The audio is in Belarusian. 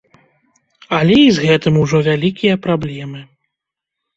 Але і з гэтым ужо вялікія праблемы.